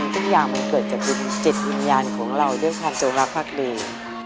ทุกอย่างมันเกิดจากจิตยังญาณของเราที่มีความสูงรักษ์ภาครี